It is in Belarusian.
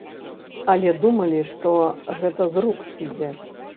Але думалі, што гэта з рук сыдзе.